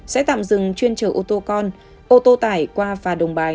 sẽ tạm dừng chuyên chở ô tô con ô tô tải qua phà đồng bài